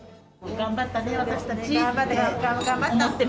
頑張った。